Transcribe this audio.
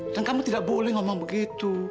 dan kamu tidak boleh ngomong begitu